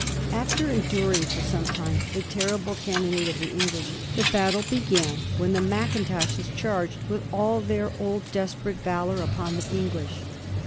After enduring for some time the ten ible cannonade of the English, the battle began when the Macintoshes charged with all their old desperate valor upon the English.